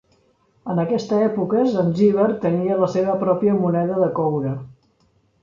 En aquesta època Zanzíbar tenia la seva pròpia moneda de coure.